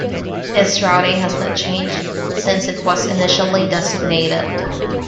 Its routing has not changed since it was initially designated.